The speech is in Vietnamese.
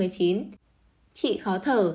trị khó thở